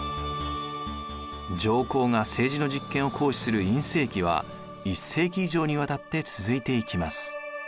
上皇が政治の実権を行使する院政期は１世紀以上にわたって続いていきます。